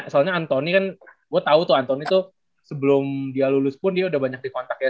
soalnya anthony kan gue tau tuh anthony tuh sebelum dia lulus pun dia udah banyak di kontak ya